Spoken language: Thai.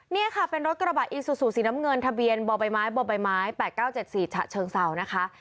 นี่ค่ะเป็นรถกระบะอีซูซูสีน้ำเงินทะเบียนบ่อใบไม้บ่อใบไม้๘๙๗๔ฉะเชิงเศร้านะคะ